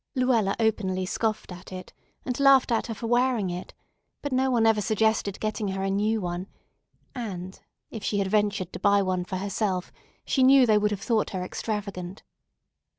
Luella openly scoffed at it, and laughed at her for wearing it; but no one ever suggested getting her a new one, and, if she had ventured to buy one for herself, she knew they would have thought her extravagant.